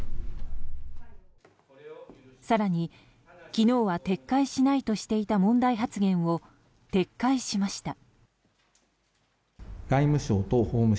更に、昨日は撤回しないとしていた問題発言を撤回しました。